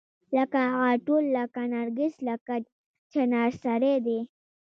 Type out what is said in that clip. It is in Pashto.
لکه غاټول لکه نرګس لکه چنارسړی دی